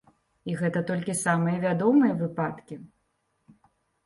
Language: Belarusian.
І гэта толькі самыя вядомыя выпадкі.